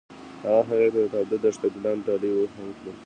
هغه هغې ته د تاوده دښته ګلان ډالۍ هم کړل.